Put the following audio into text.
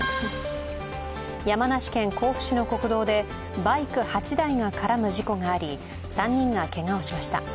山梨県甲府市の国道でバイク８台が絡む事故があり３人がけがをしました。